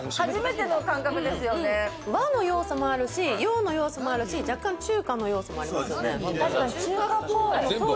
和の要素もあるし、洋の要素もあるし、若干中華の要素もありますね。